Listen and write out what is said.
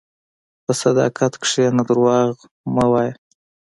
په صداقت کښېنه، دروغ مه وایې.